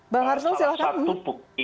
bang arsul silahkan